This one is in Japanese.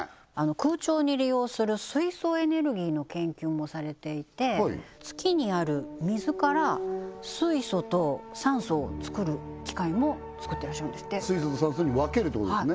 空調に利用する水素エネルギーの研究もされていて月にある水から水素と酸素を作る機械も作ってらっしゃるんですって水素と酸素に分けるってことですね